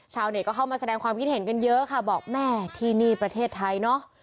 ชาวเน็ตก็เข้ามาแสดงความคิดเห็นกันเยอะค่ะบอกแม่ที่นี่ประเทศไทยเนอะ